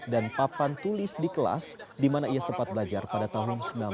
dan papan tulis di kelas di mana ia sempat belajar pada tahun seribu sembilan ratus tujuh puluh silam